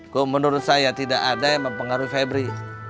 kok menurut saya tidak ada yang mempengaruhi febri